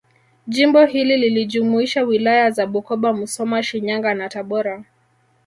Jimbo hili lilijumuisha Wilaya za Bukoba Musoma Shinyanga na Tabora